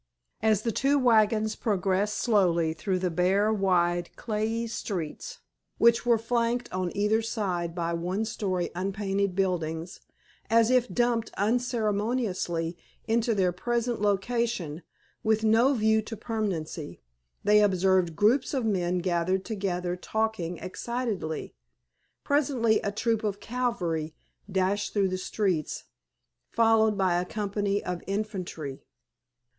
As the two wagons progressed slowly through the bare, wide clayey streets, which were flanked on either side by one story unpainted buildings, as if dumped unceremoniously into their present location with no view to permanency, they observed groups of men gathered together talking excitedly. Presently a troop of cavalry dashed through the streets, followed by a company of infantry.